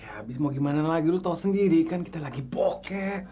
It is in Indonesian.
ya abis mau gimana lagi lo tau sendiri kan kita lagi bokek